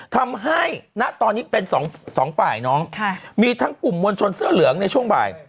ทำให้ณตอนนี้เป็นสองฝ่ายน้องมีทั้งกลุ่มมวลชนเสื้อเหลืองในช่วงบ่าย